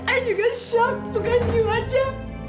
ay juga shock bukan you aja